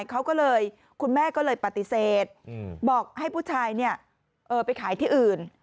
เขาก็เลยคุณแม่ก็เลยปฏิเสธบอกให้ผู้ชายไปขายที่อื่น